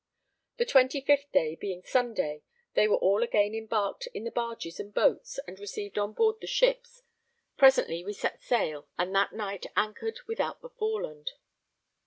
The 25th day, being Sunday, they were all again embarked in the barges and boats and received on board the ships; presently we set sail and that night anchored without the Foreland.